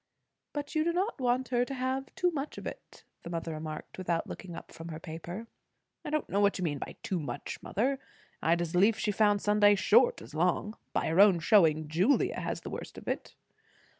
"But you do not want her to have too much of it " the mother remarked, without looking up from her paper. "I don't know what you mean by too much, mother. I'd as lief she found Sunday short as long. By her own showing, Julia has the worst of it."